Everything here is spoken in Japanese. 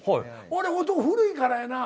俺古いからやな